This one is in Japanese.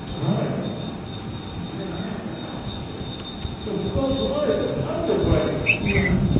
でも僕は怒鳴られてもなんで怒られているのかわからなくて。